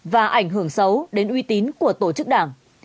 và ảnh hưởng xấu đến uy tín của tổ chức đảng